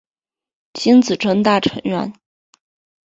金子真大成员。